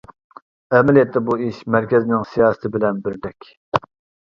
ئەمەلىيەتتە بۇ ئىش مەركەزنىڭ سىياسىتى بىلەن بىردەك.